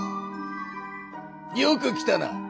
よく来たな！